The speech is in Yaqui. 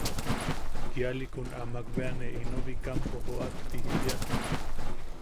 Kialiʼikun amak bea ne ino Bikampo joʼak ti jijia.